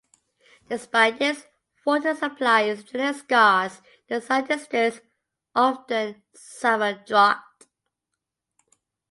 Despite this, water supply is generally scarce; the southern districts often suffer drought.